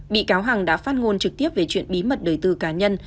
bị cáo hằng đã phát ngôn trực tiếp về chuyện bí mật đời tư cá nhân